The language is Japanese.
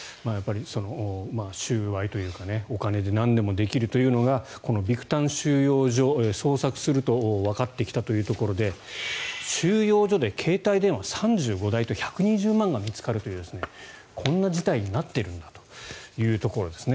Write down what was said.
収賄というかお金でなんでもできるというのがこのビクタン収容所を捜索するとわかってきたというところで収容所で携帯電話３５台と１２０万が見つかるというこんな事態になっているんだというところですね。